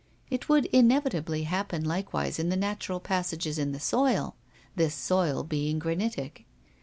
It would inevitably happen likewise in the natural passages in the soil, this soil being granitic.